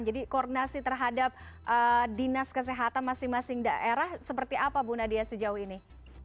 jadi koordinasi terhadap dinas kesehatan masing masing daerah seperti apa bu nadia sejauh ini